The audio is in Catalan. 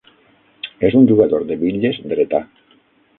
És un jugador de bitlles dretà.